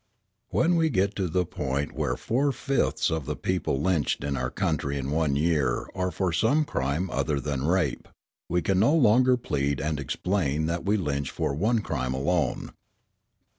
When we get to the point where four fifths of the people lynched in our country in one year are for some crime other than rape, we can no longer plead and explain that we lynch for one crime alone.